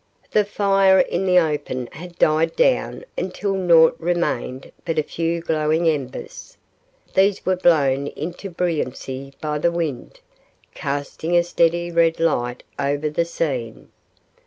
The fire in the open had died down until naught remained but a few glowing embers. These were blown into brilliancy by the wind, casting a steady red light over the scene.